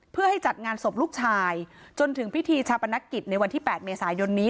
เพื่อให้จัดงานศพลูกชายจนถึงพิธีชาปนกิจในวันที่๘เมษายนนี้